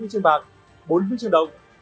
bốn huy chương đồng